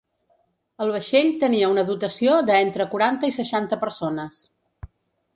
El vaixell tenia una dotació de entre quaranta i seixanta persones.